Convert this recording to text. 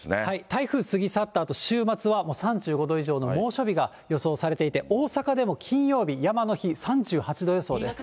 台風過ぎ去ったあと、週末はもう３５度以上の猛暑日が予想されていて、大阪でも金曜日、山の日、３８度予想です。